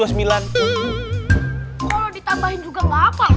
kalau ditambahin juga nggak hafal